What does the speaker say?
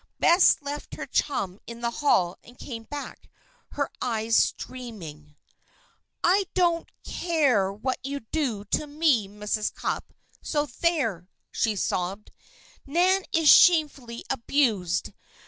Bess left her chum in the hall and came back, her eyes streaming. "I don't care what you do to me, Mrs. Cupp, so there!" she sobbed. "Nan is shamefully abused.